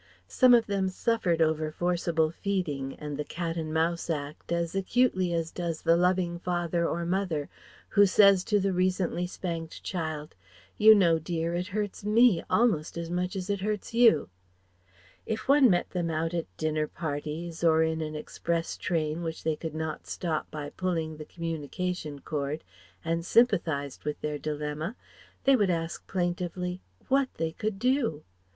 Some of them suffered over forcible feeding and the Cat and Mouse Act as acutely as does the loving father or mother who says to the recently spanked child, "You know, dear, it hurts me almost as much as it hurts you." If one met them out at dinner parties, or in an express train which they could not stop by pulling the communication cord, and sympathized with their dilemma, they would ask plaintively what they could do.